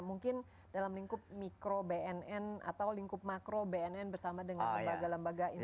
mungkin dalam lingkup mikro bnn atau lingkup makro bnn bersama dengan lembaga lembaga ini